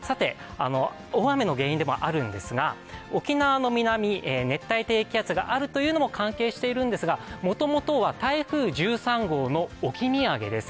大雨の原因でもあるんですが沖縄の南、熱帯低気圧があるというのも関係しているんですがもともとは台風１３号の置き土産です。